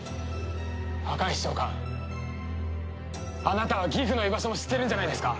赤石長官あなたはギフの居場所も知ってるんじゃないですか？